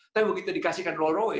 tapi begitu dikasihkan rolls royce